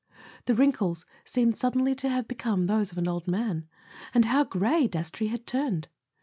The wrinkles seemed suddenly to have become those of an old man; and how grey Dastrey had turned!